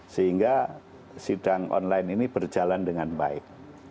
sehingga sidang online ini berjalan dengan baik